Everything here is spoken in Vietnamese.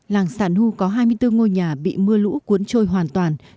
làng sản hưu có hai mươi bốn ngôi nhà bị mưa lũ cuốn trôi hoàn toàn